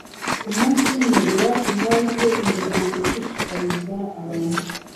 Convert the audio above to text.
Umunsi umwe iwacu haje umuryango ushishikariza abantu